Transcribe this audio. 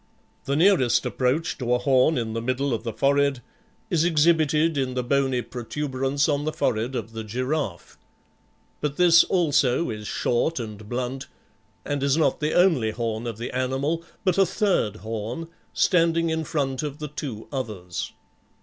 The nearest approach to a horn in the middle of the forehead is exhibited in the bony protuberance on the forehead of the giraffe; but this also is short and blunt, and is not the only horn of the animal, but a third horn, standing in front of the two others.